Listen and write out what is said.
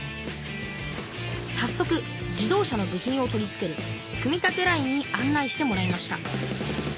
さっそく自動車の部品を取り付ける組み立てラインに案内してもらいました。